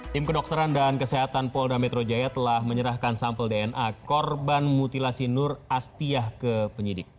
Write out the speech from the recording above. tim kedokteran dan kesehatan polda metro jaya telah menyerahkan sampel dna korban mutilasi nur astiyah ke penyidik